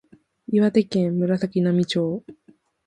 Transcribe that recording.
岩手県紫波町